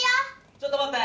ちょっと待って！